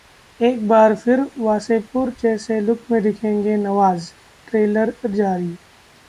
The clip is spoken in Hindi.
एक बार फिर वासेपुर जैसे लुक में दिखेंगे नवाज, ट्रेलर जारी